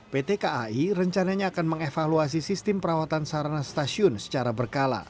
pt kai rencananya akan mengevaluasi sistem perawatan sarana stasiun secara berkala